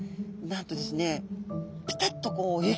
なんとですね